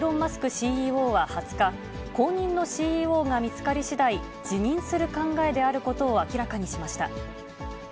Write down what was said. ＣＥＯは２０日、後任のＣＥＯが見つかりしだい、辞任する考えであることを明らかにしました。